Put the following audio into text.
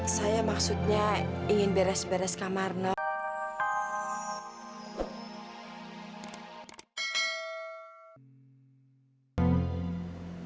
saya maksudnya ingin beres beres kamar no